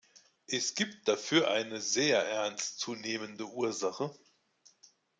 Es gibt dafür eine sehr ernst zu nehmende Ursache.